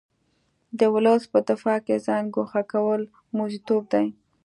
د ولس په دفاع کې ځان ګوښه کول موزیتوب دی.